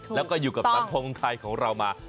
แล้วก็อยู่กับสังคมไทยของเรามา